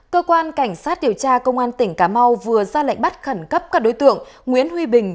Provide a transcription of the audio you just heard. cơ quan cảnh sát điều tra công an tỉnh cà mau vừa ra lệnh bắt khẩn cấp các đối tượng nguyễn huy bình